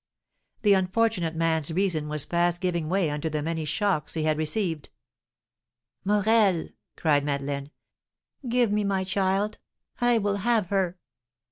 The unfortunate man's reason was fast giving way under the many shocks he had received. "Morel," cried Madeleine, "give me my child! I will have her!"